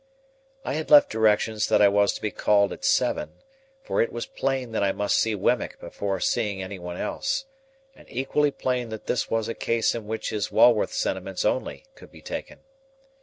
I had left directions that I was to be called at seven; for it was plain that I must see Wemmick before seeing any one else, and equally plain that this was a case in which his Walworth sentiments only could be taken.